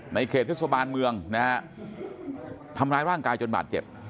เขตเทศบาลเมืองนะฮะทำร้ายร่างกายจนบาดเจ็บ